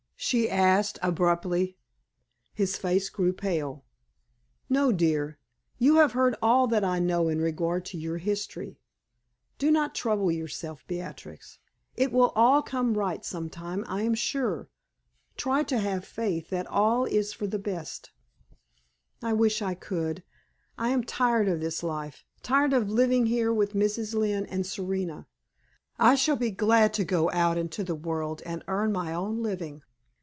she asked, abruptly. His face grew pale. "No, dear; you have heard all that I know in regard to your history. Do not trouble yourself, Beatrix; it will all come right some time, I am sure. Try to have faith that all is for the best." "I wish I could. I am tired of this life tired of living here with Mrs. Lynne and Serena. I shall be glad to go out into the world and earn my own living.